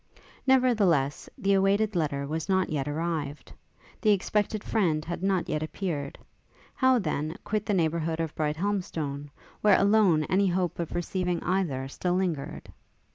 Nevertheless, the awaited letter was not yet arrived; the expected friend had not yet appeared. How, then, quit the neighbourhood of Brighthelmstone, where alone any hope of receiving either still lingered?